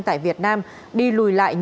tại việt nam đi lùi lại nhiều lần